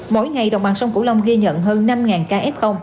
mỗi ngày đồng bằng sông cổ long ghi nhận hơn năm kf